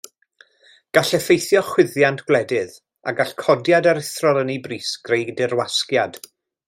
Gall effeithio chwyddiant gwledydd a gall codiad aruthrol yn ei bris greu dirwasgiad.